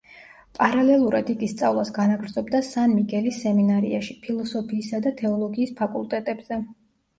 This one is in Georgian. პარალელურად იგი სწავლას განაგრძობდა სან-მიგელის სემინარიაში, ფილოსოფიისა და თეოლოგიის ფაკულტეტებზე.